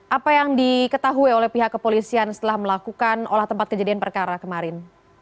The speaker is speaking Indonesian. apa yang diketahui oleh pihak kepolisian setelah melakukan olah tempat kejadian perkara kemarin